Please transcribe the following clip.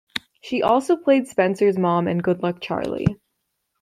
She also played Spencer's mom in "Good Luck Charlie".